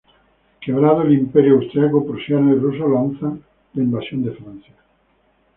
Quebrado el Imperio, austriacos, prusianos y rusos lanzan la invasión de Francia.